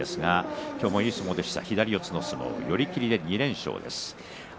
今日もいい相撲でした。